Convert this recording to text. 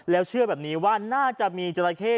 แล้วเชื่อแบบนี้ว่าน่าจะมีจราเข้